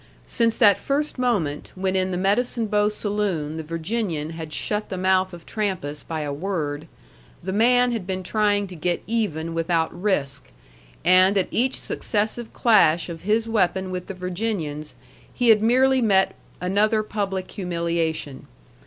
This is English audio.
Since that first moment, when in the Medicine Bow saloon the Virginian had shut the mouth of Trampas by a word, the man had been trying to get even without risk; and at each successive clash of his weapon with the Virginian's, he had merely met another public humiliation.